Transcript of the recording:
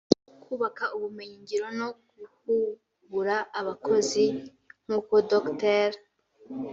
kubaka ubumenyi ngiro no guhugura abakozi; nk’uko Dr